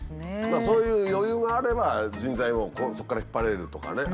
何かそういう余裕があれば人材をそこから引っ張れるとかね